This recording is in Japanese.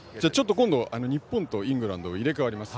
日本とイングランド入れ代わります。